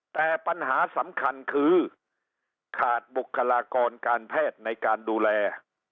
แต่ปัญหาสำคัญคือขาดบุคลากรการแพทย์ในการดูแล